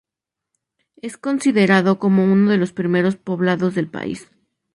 Es considerado como uno de los primeros poblados del país.